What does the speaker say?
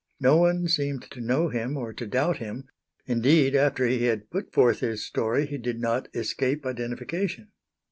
No one seemed to know him or to doubt him; indeed after he had put forth his story he did not escape identification.